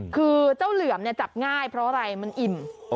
คือเจ้าเหลือมเนี่ยจับง่ายเพราะอะไรมันอิ่ม